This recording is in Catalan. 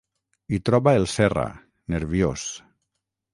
Hi troba el Serra, nerviós.